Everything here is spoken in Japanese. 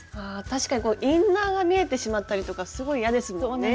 確かにインナーが見えてしまったりとかすごい嫌ですもんね。